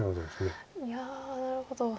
いやなるほど。